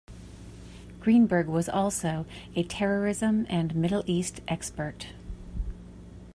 Greenberg was also a terrorism and Middle East expert.